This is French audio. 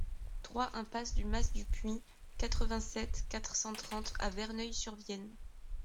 trois impasse du Mas du Puy, quatre-vingt-sept, quatre cent trente à Verneuil-sur-Vienne